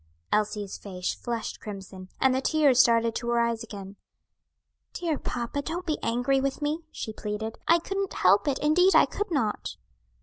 Elsie's face flushed crimson, and the tears started to her eyes again. "Dear papa, don't be angry with me," she pleaded. "I couldn't help it; indeed I could not."